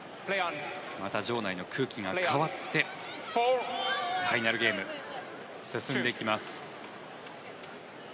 また場内の空気が変わってファイナルゲーム進んでいきます。